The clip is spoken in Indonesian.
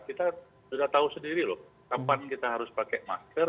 kita sudah tahu sendiri loh kapan kita harus pakai masker